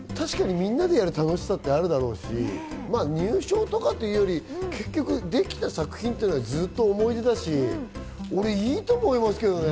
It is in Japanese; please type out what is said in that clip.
みんなでやる楽しさあるだろうし、入賞とかより、できた作品はずっと思い出だし、いいと思いますけどね。